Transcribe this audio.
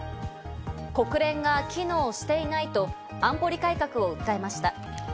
国連が機能していないと安保理改革を訴えました。